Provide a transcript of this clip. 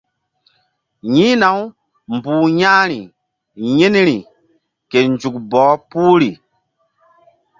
Yi̧hna-u mbu̧h ya̧hri yi̧nri ke nzuk bɔh puhri.